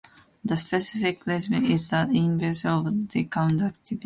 The specific resistivity is the inverse of the conductivity.